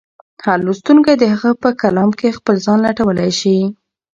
هر لوستونکی د هغه په کلام کې خپل ځان لټولی شي.